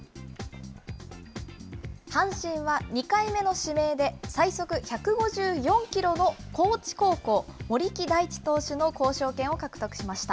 阪神は２回目の指名で、最速１５４キロの高知高校、森木大智投手の交渉権を獲得しました。